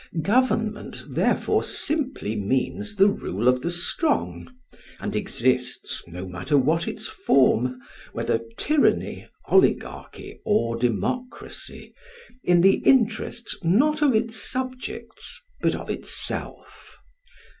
Government therefore simply means the rule of the strong, and exists, no matter what its form, whether tyranny, oligarchy, or democracy, in the interests not of its subjects but of itself.